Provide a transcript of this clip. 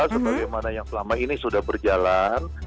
sebagai mana yang selama ini sudah berjalan